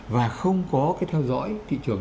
và không có cái theo dõi thị trường